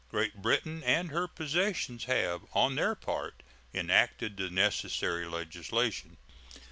Great Britain and her possessions have on their part enacted the necessary legislation.